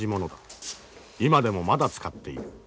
今でもまだ使っている。